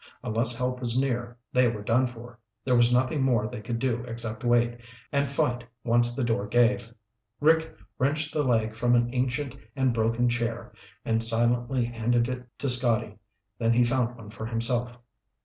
Unless help was near, they were done for. There was nothing more they could do except wait, and fight once the door gave. Rick wrenched the leg from an ancient and broken chair and silently handed it to Scotty. Then he found one for himself.